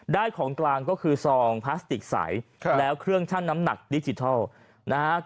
ของกลางก็คือซองพลาสติกใสแล้วเครื่องชั่งน้ำหนักดิจิทัลนะฮะ